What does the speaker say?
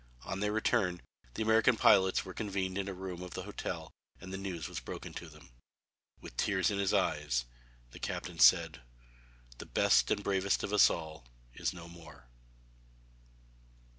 On their return the American pilots were convened in a room of the hotel and the news was broken to them. With tears in his eyes the captain said: "The best and bravest of us all is no more."